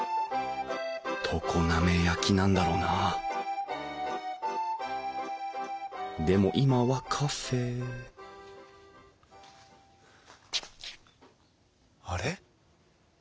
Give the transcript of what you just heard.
常滑焼なんだろうなあでも今はカフェあれ？